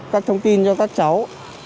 các thông tin cho các cháu